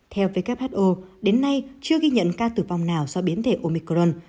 theo who đến nay chưa ghi nhận ca tử vong nào do biến thể omicron